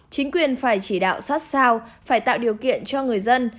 chính quyền phải chỉ đạo sát sao phải tạo điều kiện cho người dân